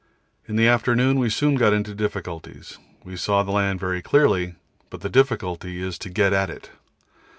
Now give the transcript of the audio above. In the afternoon we soon got into difficulties. We saw the land very clearly, but the difficulty is to get at it.